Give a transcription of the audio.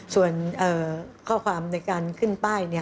ส่วนข้อความในการขึ้นป้าย